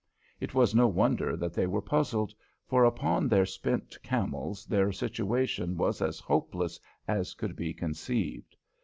It was no wonder that they were puzzled, for upon their spent camels their situation was as hopeless as could be conceived.